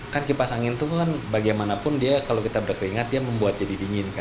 kan kipas angin itu kan bagaimanapun dia kalau kita berkeringat dia membuat jadi dingin kan